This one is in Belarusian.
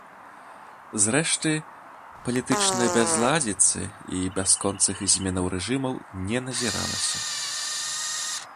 Зрэшты, палітычнай бязладзіцы і бясконцых зменаў рэжымаў не назіралася.